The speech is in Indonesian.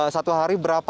satu hari berapa